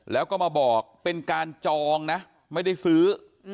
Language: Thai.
แล้วก็มาบอกเป็นการจองนะไม่ได้ซื้อ